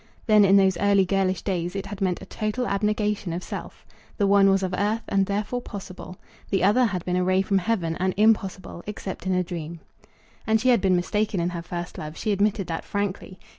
Then, in those early girlish days, it had meant a total abnegation of self. The one was of earth, and therefore possible. The other had been a ray from heaven, and impossible, except in a dream. And she had been mistaken in her first love. She admitted that frankly.